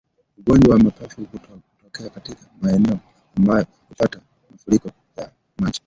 Ugonjwa wa mapafu hutokea katika maeneo ambayo hupata mafuriko ya maji